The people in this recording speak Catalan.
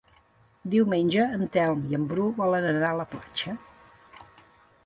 Diumenge en Telm i en Bru volen anar a la platja.